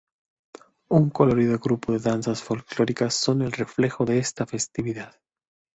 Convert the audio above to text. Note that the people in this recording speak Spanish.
Un colorido grupo de danzas folclóricas son el reflejo de esta festividad.